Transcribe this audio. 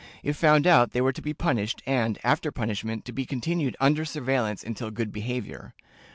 If found out, they were to be punished, and, after punishment, to be continued under surveillance until good behavior.